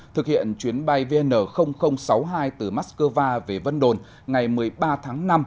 thực hiện chuyến bay vn sáu mươi hai từ moscow về vân đồn ngày một mươi ba tháng năm